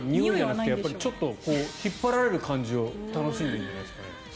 だからちょっと引っ張られる感じを楽しんでるんじゃないですかね。